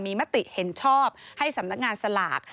มีมติเห็นชอบให้สำนักงานสลาก